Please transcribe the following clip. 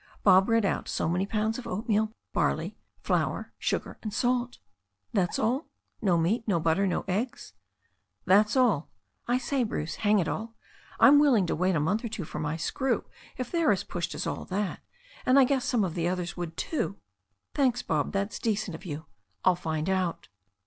Bob read out so many pounds of oatmeal, barley, flour, sugar and salt. Is that all? No meat, no butter, no eggs?" That's all. I say, Bruce, hang it all, I'm willing to wait a month or two for my screw if they're as pushed as all that And I guess some of the others would too." "Thanks, Bob. That's decent of you. I'll find out."